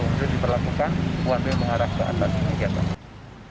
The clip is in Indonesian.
ini diberlakukan one way mengarah ke atas